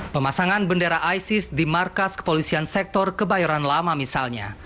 pemasangan bendera isis di markas kepolisian sektor kebayoran lama misalnya